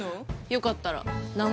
よかったら生？